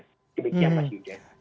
demikian mas yuda